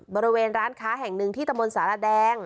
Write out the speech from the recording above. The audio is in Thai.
บริเวณร้านค้าแห่งหนึ่งที่ตะมนต์สารแดง